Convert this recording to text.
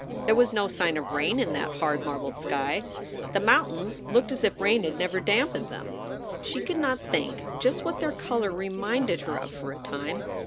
There was no sign of rain in that hard, marbled sky. The mountains looked as if rain had never dampened them. She could not think just what their color reminded her of for a time.